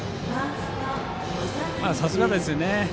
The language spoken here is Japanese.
さすがですね。